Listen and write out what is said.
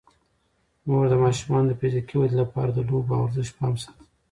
مور د ماشومانو د فزیکي ودې لپاره د لوبو او ورزش پام ساتي.